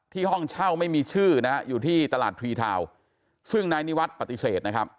ห้องเช่าไม่มีชื่อนะฮะอยู่ที่ตลาดทรีทาวน์ซึ่งนายนิวัตรปฏิเสธนะครับ